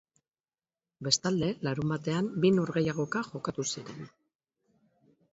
Bestalde, larunbatean bi norgehiagoka jokatu ziren.